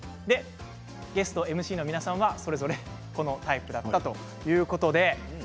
ゲスト、ＭＣの皆さんはそれぞれこちらのタイプだったということです。